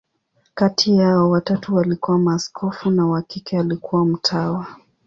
Kati yao, watatu walikuwa maaskofu, na wa kike alikuwa mtawa.